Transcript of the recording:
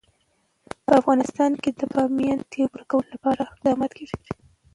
په افغانستان کې د بامیان د اړتیاوو پوره کولو لپاره اقدامات کېږي.